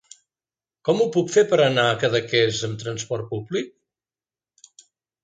Com ho puc fer per anar a Cadaqués amb trasport públic?